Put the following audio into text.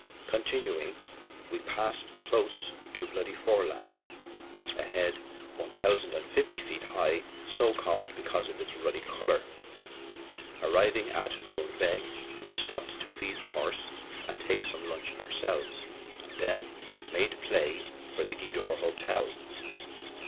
Continuing, we passed close to Bloody Foreland, a head one thousand and fifty feet high, so called because of its ruddy color. Arriving at Bunbeg, we stopped to feed the horse and take some lunch ourselves, and then "made play" for the Gweedore Hotel.